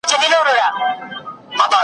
چي نااهله واكداران چيري پيدا سي .